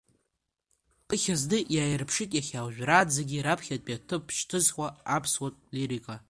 Ԥыхьа зны иааирԥшит иахьа ожәраанӡагьы раԥхьатәи аҭыԥ шьҭызхуа аԥсуатә лирика.